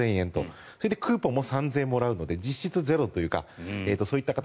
それでクーポンも３０００円もらえるので実質ゼロというかそういった形。